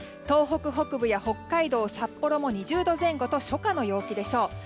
東北北部や北海道、札幌も２０度以上と初夏の陽気でしょう。